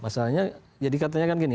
masalahnya jadi katanya kan gini